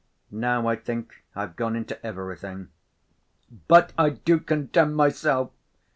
Now I think I've gone into everything." "But I do condemn myself!"